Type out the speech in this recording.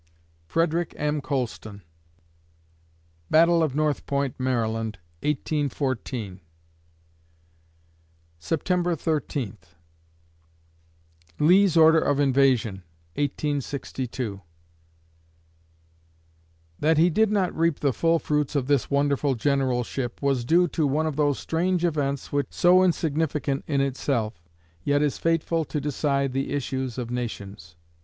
FREDERICK M. COLSTON Battle of North Point, Md., 1814 September Thirteenth LEE'S ORDER OF INVASION, 1862 That he did not reap the full fruits of this wonderful generalship was due to one of those strange events which, so insignificant in itself, yet is fateful to decide the issues of nations....